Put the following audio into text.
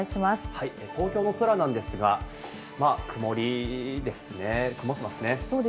はい、東京の空なんですが、雲りですね、曇ってますね。